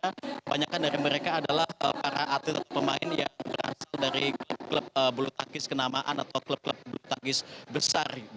kebanyakan dari mereka adalah para atlet atau pemain yang berasal dari klub klub bulu tangkis kenamaan atau klub klub bulu tangkis besar